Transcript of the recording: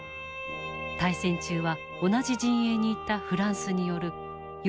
大戦中は同じ陣営にいたフランスによる容赦ない空爆。